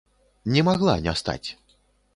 Не магла не стаць.